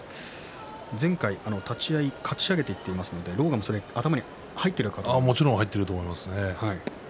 前回立ち合い、かち上げていきましたので狼雅は頭にもちろん入ってると思います。